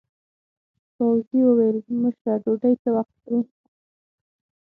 ګاووزي وویل: مشره ډوډۍ څه وخت خورو؟